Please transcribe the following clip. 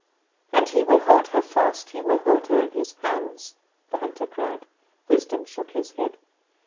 "'And he will hold her fast! he will hold her in his hands!' the hunter cried. "Wisdom shook his head.